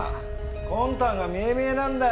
魂胆が見え見えなんだよ！